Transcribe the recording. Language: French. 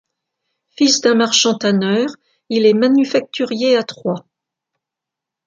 Fils d'un marchand tanneur, il est manufacturier à Troyes.